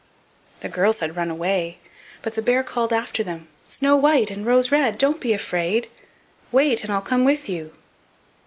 The girls had run away, but the bear called after them: "Snow white and Rose red, don't be afraid; wait, and I'll come with you."